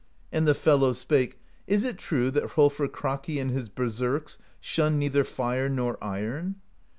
And the fellows spake: 'Is it true that Hrolfr Kraki and his berserks shun neither fire nor iron?'